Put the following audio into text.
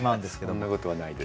そんなことはないです。